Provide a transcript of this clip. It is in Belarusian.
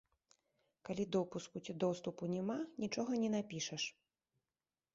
Калі допуску ці доступу няма, нічога не напішаш.